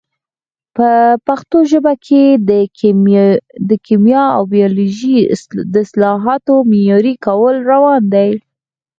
په پښتو ژبه کې د کیمیا او بیولوژي د اصطلاحاتو معیاري کول روان دي.